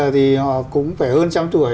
thì họ cũng phải hơn trăm tuổi